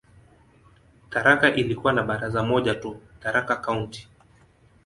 Tharaka ilikuwa na baraza moja tu, "Tharaka County".